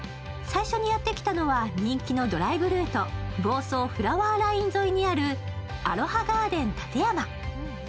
最初にやってきたのは人気のドライブルート、房総フラワーライン沿いにあるアロハガーデンたてやま。